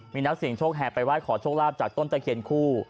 มีนักเสียงโชคแห่ไปไห้ขอโชคลาภจากต้นตะเคียนคู่